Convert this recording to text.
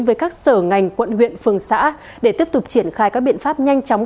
với các sở ngành quận huyện phường xã để tiếp tục triển khai các biện pháp nhanh chóng